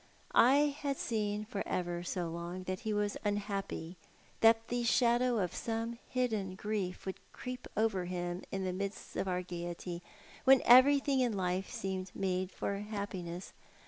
I had seen for Iver so ong that he was unhappy, that the shadow of some hidden grief uould creep over him in the midst of our gaiety w en everything m life seemed made for happiness.